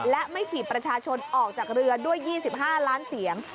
และไม่ถีบประชาชนออกจากเรือด้วย๒๕ล้านเสียง